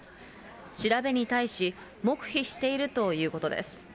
調べに対し、黙秘しているということです。